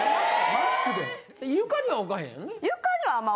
・床には置かへんよね？